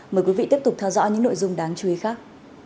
mời quý vị tiếp tục theo dõi những nội dung đáng chú ý khác